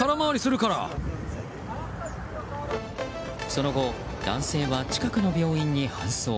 その後男性は近くの病院に搬送。